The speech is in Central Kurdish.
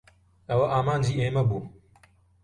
ئەوە ئامانجی ئێمە بوو.